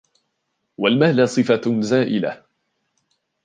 وَالْمَالَ صِفَةٌ زَائِلَةٌ